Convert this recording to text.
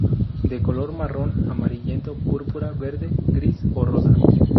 De color marrón, amarillento, púrpura, verde, gris o rosa.